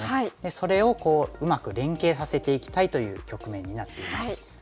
それをうまく連携させていきたいという局面になっています。